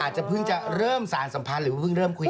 จะเพิ่งจะเริ่มสารสัมพันธ์หรือว่าเพิ่งเริ่มคุย